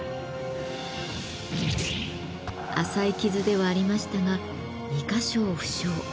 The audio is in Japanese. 浅い傷ではありましたが２か所を負傷。